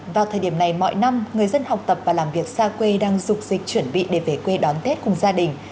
vào thời điểm này mọi năm người dân học tập và làm việc xa quê đang dục dịch chuẩn bị để về quê đón tết cùng gia đình